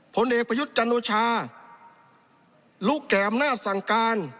ผลเอกประยุทธ์จันโอชารู้แก่อำนาจสั่งการ